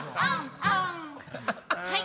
はい！